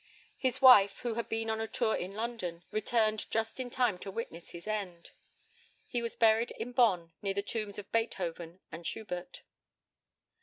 His wife, who had been on a tour in London, returned just in time to witness his end. He was buried in Bonn, near the tombs of Beethoven and Schubert.